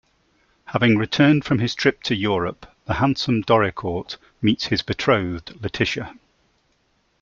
Having returned from his trip to Europe, the handsome Doricourt meets his betrothed, Letitia.